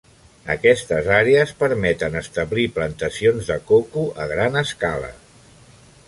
Aquestes àrees permeten establir plantacions de coco a gran escala.